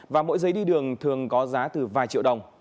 và mỗi giấy đi đường thường có giá từ vài triệu đồng